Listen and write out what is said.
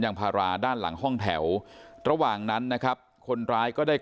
พาราด้านหลังห้องแถวระหว่างนั้นนะครับคนร้ายก็ได้